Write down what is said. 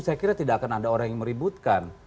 saya kira tidak akan ada orang yang meributkan